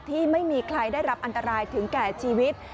ที่ไม่มีใครได้รับอันตรายถึงแก่ชีวิต